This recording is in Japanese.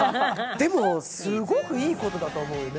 でもすごくいいことだと思うね。